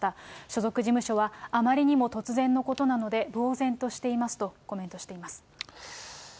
所属事務所は、あまりにも突然のことなので、ぼう然としていますとコメントしています。